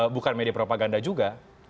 bukan media propaganda juga